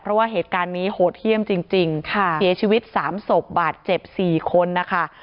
เพราะว่าเหตุการณ์นี้โหดเยี่ยมจริงเสียชีวิต๓ศพบาดเจ็บ๔คนนะคะ